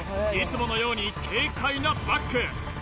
いつものように軽快なバック